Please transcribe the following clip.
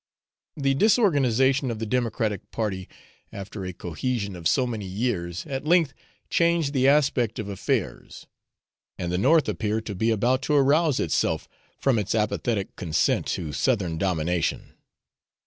The disorganisation of the Democratic party, after a cohesion of so many years, at length changed the aspect of affairs; and the North appeared to be about to arouse itself from its apathetic consent to Southern domination.